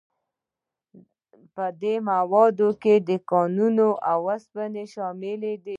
په دې موادو کې کانونه او اوسپنه شامل دي.